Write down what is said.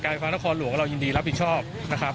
ไฟฟ้านครหลวงเรายินดีรับผิดชอบนะครับ